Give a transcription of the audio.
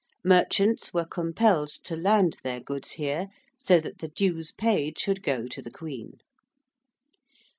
Merchants were compelled to land their goods here so that the dues paid should go to the Queen.